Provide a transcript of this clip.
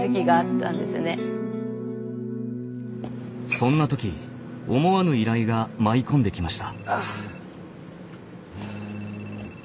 そんな時思わぬ依頼が舞い込んできました。